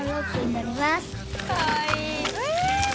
かわいい。